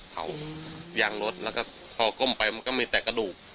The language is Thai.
เผายางรถแล้วก็พอก้มไปมันก็มีแต่กระดูก